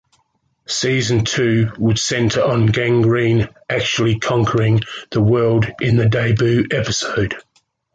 Season Two would center on Gangreen actually conquering the world in the debut episode.